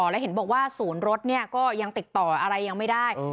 แล้วเห็นบอกว่าศูนย์รถเนี่ยก็ยังติดต่ออะไรยังไม่ได้